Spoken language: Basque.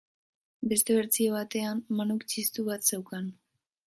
Beste bertsio batean, Manuk txistu bat zeukan.